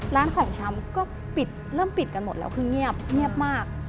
ร้านของชำก็ปิดเริ่มปิดกันหมดแล้วคือเงียบมาก